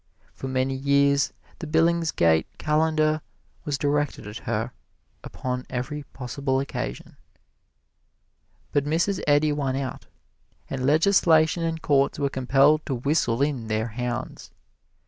For many years the Billingsgate Calendar was directed at her upon every possible occasion. But Mrs. Eddy won out, and legislation and courts were compelled to whistle in their hounds.